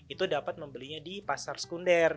itu dapat membelinya di pasar sekunder